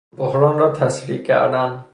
بحران را تسریع کردن